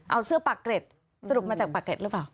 เอาเสื้อปากเกร็ดสรุปมาจากปากเกร็ดหรือเปล่า